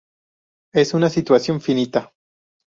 Es una situación finita".